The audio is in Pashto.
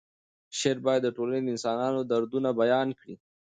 شعر باید د ټولنې د انسانانو دردونه بیان کړي.